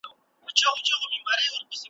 لکه په دښت کي غوړېدلی ګلاب .